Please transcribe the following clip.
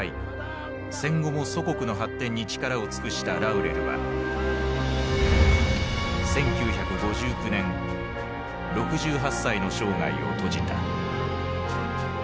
戦後も祖国の発展に力を尽くしたラウレルは１９５９年６８歳の生涯を閉じた。